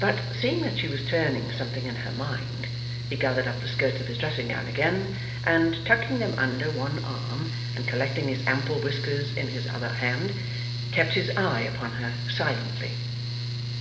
But, seeing that she was turning something in her mind, he gathered up the skirts of his dressing gown again, and, tucking them under one arm, and collecting his ample whiskers in his other hand, kept his eye upon her, silently.